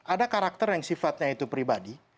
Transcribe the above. ada karakter yang sifatnya itu pribadi